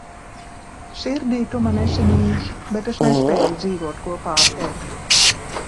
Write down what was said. Sirdī Tu man esi mīļš, bet es nespēju dzīvot kopā ar Tevi